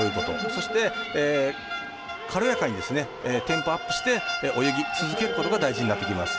そして軽やかにテンポアップして泳ぎ続けることが大事になってきます。